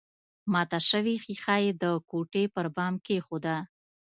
ماته شوې ښيښه يې د کوټې پر بام کېښوده